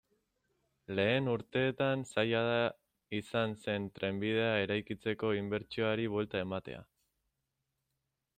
Lehen urteetan zaila izan zen trenbidea eraikitzeko inbertsioari buelta ematea.